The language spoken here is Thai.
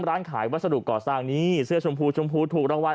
ร้านขายวัสดุก่อสร้างนี้เสื้อชมพูชมพูถูกรางวัล